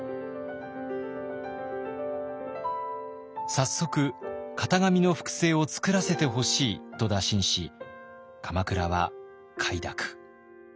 早速型紙の複製を作らせてほしいと打診し鎌倉は快諾。